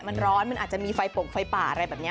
มันร้อนมันอาจจะมีไฟปงไฟป่าอะไรแบบนี้